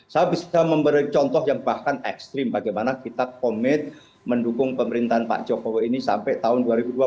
saya bisa memberi contoh yang bahkan ekstrim bagaimana kita komit mendukung pemerintahan pak jokowi ini sampai tahun dua ribu dua puluh empat